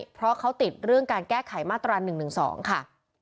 เพราะเขาติดเรื่องการแก้ไขมาตรา๑๑๒ค่ะ